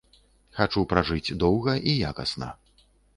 Хачу пражыць доўга і якасна.